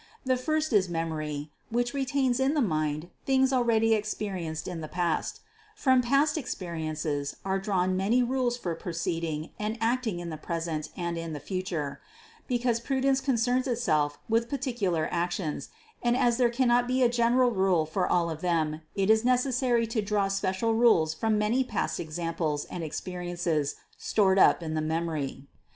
The first is memory, which retains in the mind things already experienced in the past From past experiences are drawn many rules for proceeding and acting in the present and in the future ; because prudence concerns itself with par ticular actions, and as there cannot be a general rule for all of them, it is necessary to draw special rules from many past examples and experiences stored up in the memory.